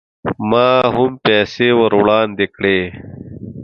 ما هم پیسې ور وړاندې کړې.